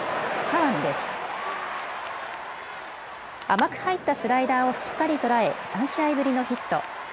甘く入ったスライダーをしっかり捉え、３試合ぶりのヒット。